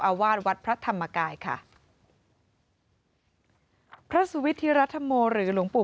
วาดวัดพระธรรมกายค่ะพระสุวิทธิรัฐโมหรือหลวงปู่